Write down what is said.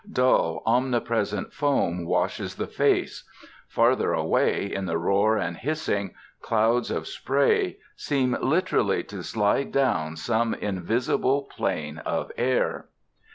Dull omnipresent foam washes the face. Farther away, in the roar and hissing, clouds of spray seem literally to slide down some invisible plane of air.